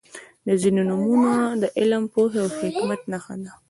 • ځینې نومونه د علم، پوهې او حکمت نښه ده.